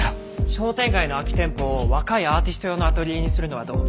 商店街の空き店舗を若いアーティスト用のアトリエにするのはどう？